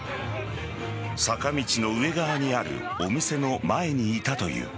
坂道の上側にあるお店の前にいたという。